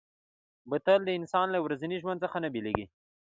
بوتل د انسان له ورځني ژوند څخه نه بېلېږي.